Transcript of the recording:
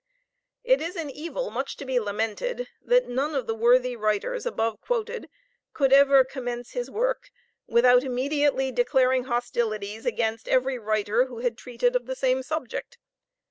It is an evil much to be lamented that none of the worthy writers above quoted could ever commence his work without immediately declaring hostilities against every writer who had treated of the same subject.